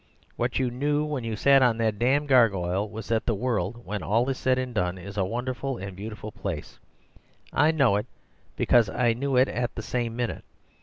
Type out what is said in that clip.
What you knew when you sat on that damned gargoyle was that the world, when all is said and done, is a wonderful and beautiful place; I know it, because I knew it at the same minute.